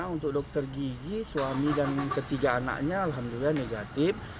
untuk dokter gigi suami dan ketiga anaknya alhamdulillah negatif